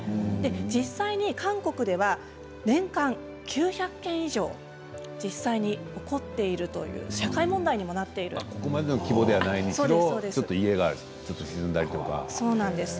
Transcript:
実際に韓国では年９００件以上実際に起こっているという社会問題にもなっているんです。